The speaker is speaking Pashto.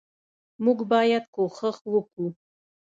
موږ باید کوښښ وکو